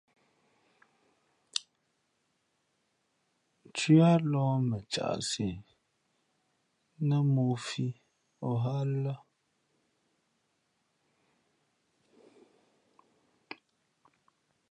Nthʉǎ lōh mα caʼsi , nά mōō fī ǒ hά a lά.